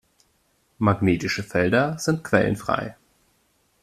Magnetische Felder sind quellenfrei.